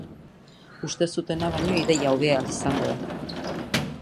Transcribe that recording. Uste zutena baino ideia hobea izango da.